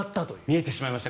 見えてしまいました。